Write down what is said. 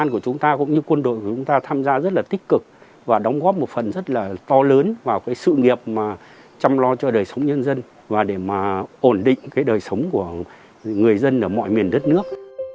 của chúng ta cũng như quân đội của chúng ta tham gia rất là tích cực và đóng góp một phần rất là to lớn vào cái sự nghiệp mà chăm lo cho đời sống nhân dân và để mà ổn định cái đời sống của người dân ở mọi miền đất nước